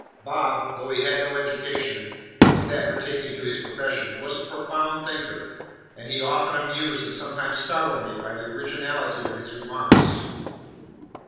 Bob, though he had no education but that pertaining to his profession, was a profound thinker, and he often amused and sometimes startled me by the originality of his remarks.